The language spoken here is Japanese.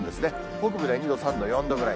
北部で２度、３度、４度ぐらい。